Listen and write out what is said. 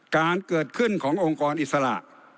การเกิดขึ้นขององค์กรอิสระ